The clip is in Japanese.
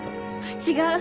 違う。